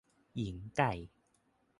หญิงไก่